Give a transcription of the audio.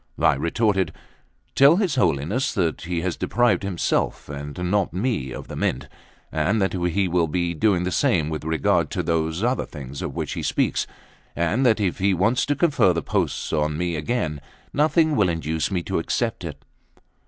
I retorted: "Tell his Holiness that he has deprived himself and not me of the Mint, and that he will be doing the same with regard to those other things of which he speaks; and that if he wants to confer the post on me again, nothing will induce me to accept it."